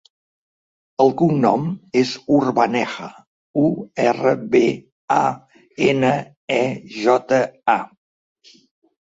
El cognom és Urbaneja: u, erra, be, a, ena, e, jota, a.